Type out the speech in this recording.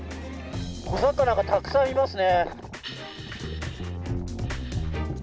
小魚がたくさんいますね。